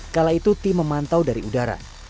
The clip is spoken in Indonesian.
kala itu tim memantau dari udara